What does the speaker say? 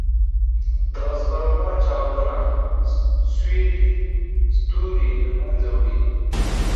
د سپرنووا چاودنه ستوری له منځه وړي.